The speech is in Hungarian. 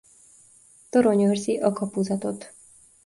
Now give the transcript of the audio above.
Torony őrzi a kapuzatot.